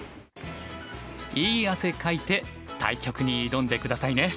いい汗かいて対局に挑んで下さいね！